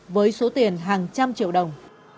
với số tiền hàng trăm triệu đồng